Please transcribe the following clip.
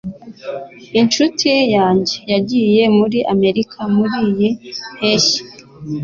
Inshuti yanjye yagiye muri Amerika muriyi mpeshyi.